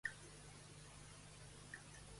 Qui va propiciar la seva trobada amb Raúl de la Torre?